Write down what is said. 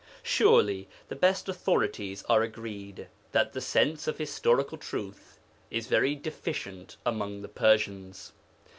Surely the best authorities are agreed that the sense of historical truth is very deficient among the Persians.